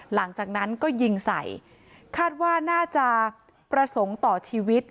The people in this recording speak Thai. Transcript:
หลังจากนั้นก็ยิงใส่คาดว่าน่าจะประสงค์ต่อชีวิต